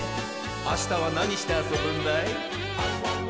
あしたはなにしてあそぶんだい？